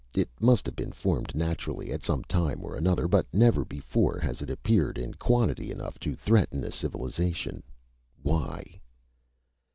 It must have been formed naturally at some time or another, but never before has it appeared in quantity enough to threaten a civilization. Why?"